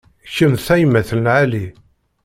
Kemm d tayemmat n lεali.